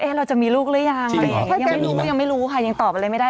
ว่าเราจะลูกหรือยังยังไม่รู้ค่ะยังตอบอะไรไม่ได้